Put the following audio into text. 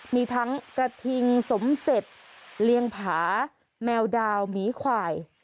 มีทั้งกระทิงสมเสร็จเลี้ยงผาแมวดาวหมีควาย